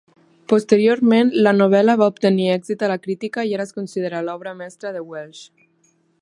Posteriorment, la novel·la va obtenir èxit a la crítica, i ara es considera l'obra mestra de Welsh.